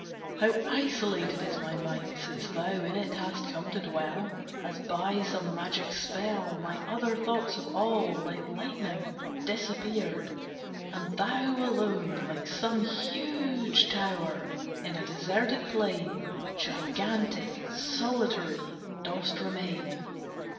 How isolated is my mind, Since thou in it hast come to dwell! As by some magic spell, My other thoughts have all, Like lightning, disappeared; And thou, alone, like some huge tower, In a deserted plain, Gigantic, solitary, dost remain.